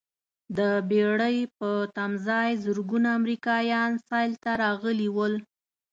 د بېړۍ په تمځاې زرګونه امریکایان سیل ته راغلي ول.